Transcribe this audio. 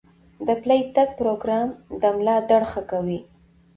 د پلي تګ پروګرام د ملا درد ښه کوي.